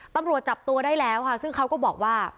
ตำรวจจับตัวได้แล้วค่ะซึ่งเขาก็บอกว่า